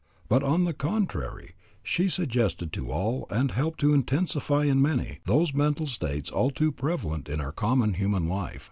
But on the contrary she suggested to all and helped to intensify in many, those mental states all too prevalent in our common human life.